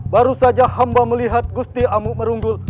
baru saja hamba melihat gusti amuk merunggul